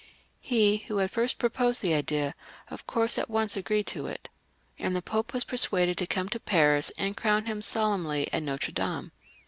He, who had first proposed the idea, of course at once agreed to it, and the Pope was persuaded to come to Paris and crown him solemnly at N6tre Dame.